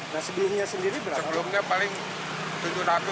nah sebiangnya sendiri berapa